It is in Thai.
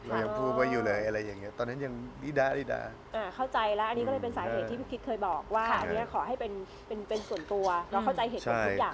อันนี้ก็เลยเป็นสาเหตุที่พี่พิชเคยบอก